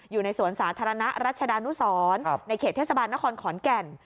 อยู่ในสวนสาธารณะรัชดานุสรในเขตเทศบาลนครขอนแก่น